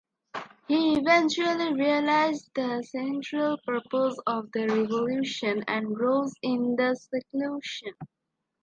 He eventually realized the central purpose of their revolution and rose in the seclusion.